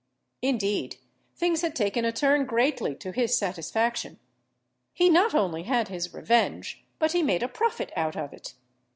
Indeed, things had taken a turn greatly to his satisfaction; he not only had his revenge, but he made a profit out of it.